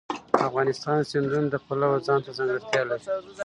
افغانستان د سیندونه د پلوه ځانته ځانګړتیا لري.